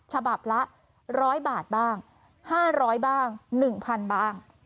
ฉบับละร้อยบาทบ้างห้าร้อยบ้างหนึ่งพันบ้าง